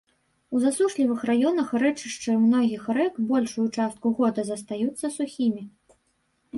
У засушлівых раёнах рэчышчы многіх рэк большую частку года застаюцца сухімі.